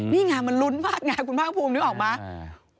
นี่ไงมันลุ้นมากไงคุณภาคภูมินึกออกไหม